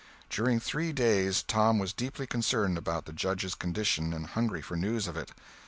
During three days Tom was deeply concerned about the Judge's condition and hungry for news of it.